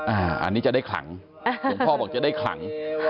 อันนี้จะได้ขลังหลวงพ่อบอกจะได้ขลัง